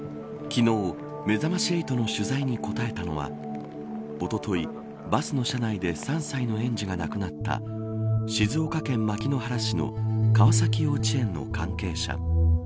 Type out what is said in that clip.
昨日、めざまし８の取材に答えたのはおとといバスの車内で３歳の園児が亡くなった静岡県牧之原市の川崎幼稚園の関係者。